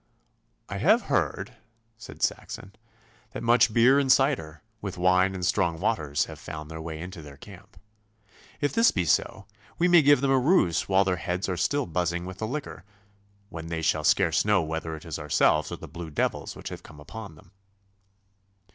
'I have heard,' said Saxon, 'that much beer and cider, with wine and strong waters, have found their way into their camp. If this be so we may give them a rouse while their heads are still buzzing with the liquor, when they shall scarce know whether it is ourselves or the blue devils which have come upon them.